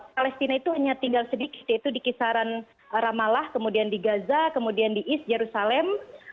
palestina itu hanya tinggal sedikit yaitu di kisaran ramalah kemudian di gaza kemudian di east jerusalem